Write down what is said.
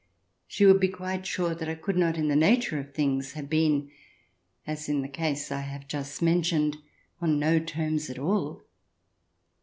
She would be quite sure that I could not in the nature of things have been, as in the case I have just men tioned, on no terms at all.